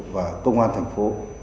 và công an thành phố